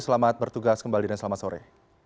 selamat bertugas kembali dan selamat sore